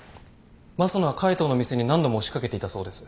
益野は海藤の店に何度も押し掛けていたそうです。